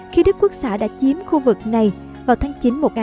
khi đức quốc xã đã chiếm khu vực này vào tháng chín một nghìn chín trăm bốn mươi ba